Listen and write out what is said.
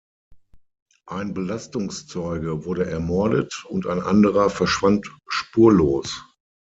Ein Belastungszeuge wurde ermordet, und ein anderer verschwand spurlos.